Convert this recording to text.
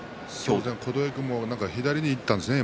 琴恵光も今、左でいったんですね。